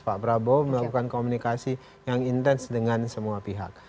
pak prabowo melakukan komunikasi yang intens dengan semua pihak